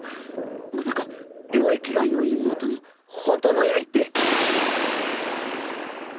まさか領域外の妹の本当の意味って